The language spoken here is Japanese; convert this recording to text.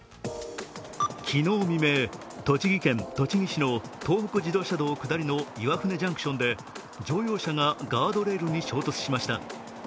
昨日未明、栃木県栃木市の東北自動車道下りの岩舟ジャンクションで乗用車がガードレールに衝突しました。